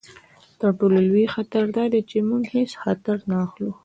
تر ټولو لوی خطر دا دی چې موږ هیڅ خطر نه اخلو.